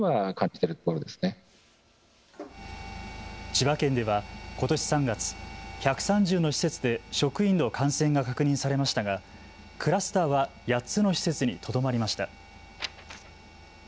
千葉県ではことし３月、１３０の施設で職員の感染が確認されましたがクラスターは８つの施設にとどまりました。